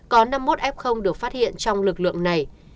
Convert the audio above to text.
có năm mươi một f được phát hiện trong lực lượng này